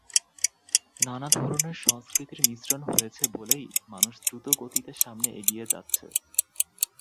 নানা ধরনের সংস্কৃতির মিশ্রণ হয়েছে বলেই মানুষ দ্রুতগতিতে সামনে এগিয়ে যাচ্ছে।